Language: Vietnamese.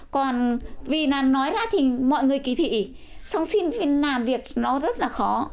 còn vì là nói ra thì mọi người kỳ thị ỉ xong xin làm việc nó rất là khó